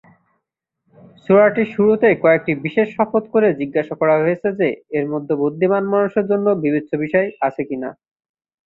সূরাটির শুরুতেই কয়েকটি বিষয়ের শপথ করে জিজ্ঞাসা করা হয়েছে যে, এর মধ্যে বুদ্ধিমান মানুষদের জন্য বিবেচ্য বিষয় আছে কিনা।